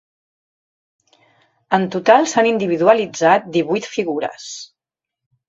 En total s'han individualitzat divuit figures.